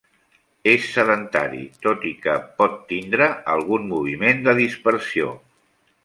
És sedentari, tot i que pot tindre algun moviment de dispersió.